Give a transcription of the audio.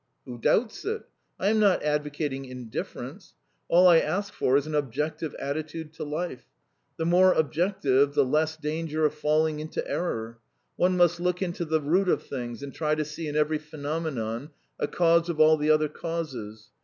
"Who doubts it! I am not advocating indifference; all I ask for is an objective attitude to life. The more objective, the less danger of falling into error. One must look into the root of things, and try to see in every phenomenon a cause of all the other causes.